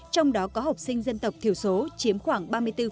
trong đó có học sinh dân tộc thiểu số chiếm khoảng ba mươi bốn